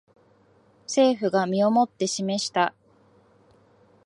政府が身をもって示した